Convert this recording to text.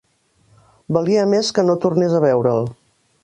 Valia més que no tornés a veure'l